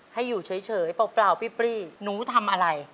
ให้อยู่เฉยเปล่าปรี้หนูทำอะไร